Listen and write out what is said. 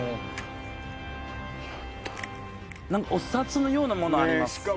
何かお札のようなものあります。